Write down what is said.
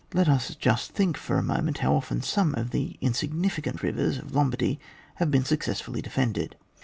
Let us just think for a moment how often some of the insignificant rivers of Lom bardy have been successfully defended